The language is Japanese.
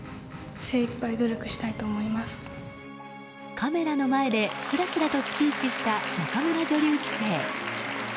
カメラの前ですらすらとスピーチした仲邑女流棋聖。